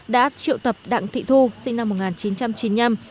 đã triệu tập đặng thị thu sinh năm một nghìn chín trăm chín mươi năm